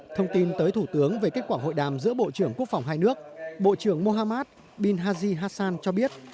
thông tin tới thủ tướng về kết quả hội đàm giữa bộ trưởng quốc phòng hai nước bộ trưởng mohammad bil hazi hassan cho biết